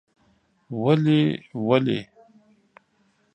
ولې؟ ولې؟؟؟ ….